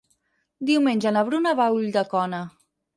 Diumenge na Bruna va a Ulldecona.